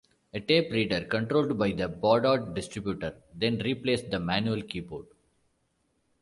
A tape reader, controlled by the Baudot distributor, then replaced the manual keyboard.